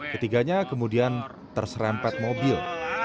ketiganya kemudian terserempet mobil